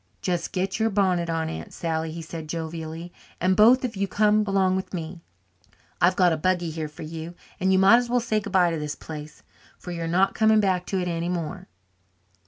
"Just get your bonnet on, Aunt Sally," he cried jovially, "and both of you come along with me. I've got a buggy here for you ... and you might as well say goodbye to this place, for you're not coming back to it any more."